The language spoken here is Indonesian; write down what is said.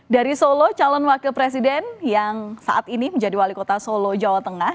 dari solo calon wakil presiden yang saat ini menjadi wali kota solo jawa tengah